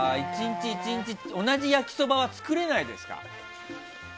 １日１日、同じ焼きそばは作れないですか？